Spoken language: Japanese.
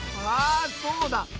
あそうだ。